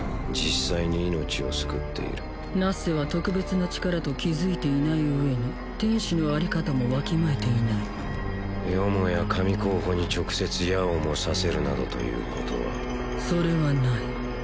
実際に命を救っているナッセは特別な力と気づいていない上に天使のあり方もわきまえていないよもや神候補に直接矢をも刺せるなどということはそれはない